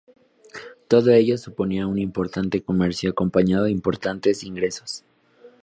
Todo ello suponía un importante comercio acompañado de importantes ingresos.